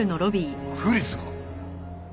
クリスが？